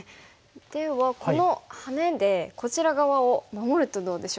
ではこのハネでこちら側を守るとどうでしょうか。